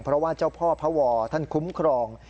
เพราะว่าเจ้าพ่อพระวอท่านคุ้มครอง